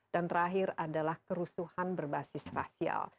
dan terakhir adalah kerusuhan berbasis rasial